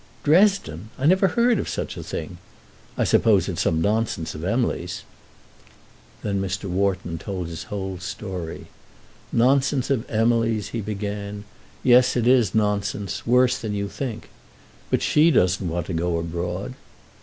Dresden! I never heard of such a thing. I suppose it's some nonsense of Emily's." Then Mr. Wharton told his whole story. "Nonsense of Emily's!" he began. "Yes, it is nonsense, worse than you think. But she doesn't want to go abroad."